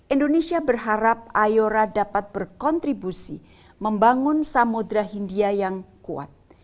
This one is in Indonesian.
indonesia berharap ayora dapat berkontribusi membangun samudera hindia yang kuat